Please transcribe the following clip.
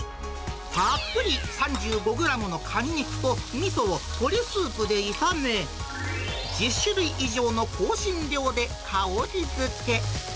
たっぷり３５グラムのカニ肉とみそを鶏スープで炒め、１０種類以上の香辛料で香りづけ。